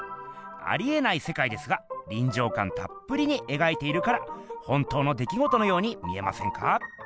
ありえないせかいですがりんじょうかんたっぷりにえがいているから本当の出来ごとのように見えませんか？